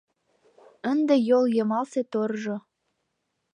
Ынде йол йымалсе торжо